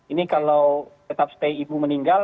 ini kalau tetap stay ibu meninggal